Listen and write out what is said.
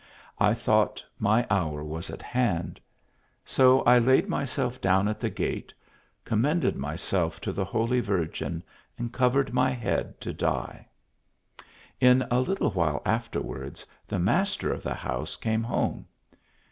I thought my hour was at hand. So I laid myself down at the gate, commended my self to the holy Virgin, and covered my head to die. In a little while afterwards, the master of the house came home.